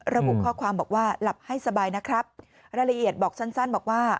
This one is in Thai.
ระบุข้อความบอกว่าหลับให้สบายนะครับรายละเอียดบอกสั้นบอกว่า